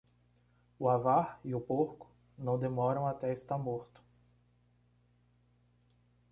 O avar e o porco, não demoram até estar morto.